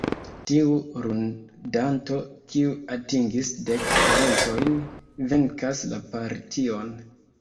Tiu ludanto, kiu atingis dek poentojn, venkas la partion.